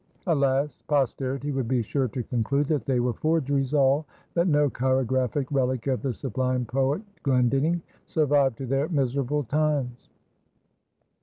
Alas! posterity would be sure to conclude that they were forgeries all; that no chirographic relic of the sublime poet Glendinning survived to their miserable times.